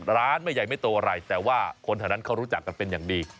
ร้านไม่ใหญ่ไม่โตอะไรแต่ว่าคนแถวนั้นเขารู้จักกันเป็นอย่างดี